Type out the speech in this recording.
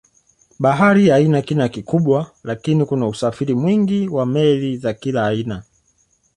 Bahari haina kina kubwa lakini kuna usafiri mwingi wa meli za kila aina.